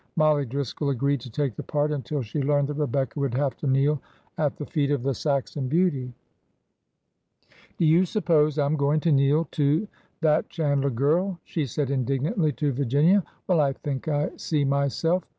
Mollie Driscoll agreed to take the part until she learned that Rebecca would have to kneel at the feet of the Saxon beauty. '' Do you suppose I 'm going to kneel to that Chand ler girl?" she said indignantly to Virginia. ''Well, I think I see myself!